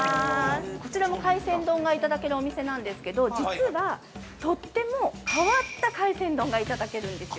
こちらも海鮮丼がいただけるお店なんですけど、実は、とっても変わった海鮮丼がいただけるんですよ。